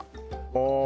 ああ